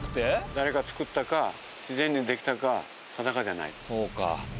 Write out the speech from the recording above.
誰が造ったか自然にできたか定かじゃない。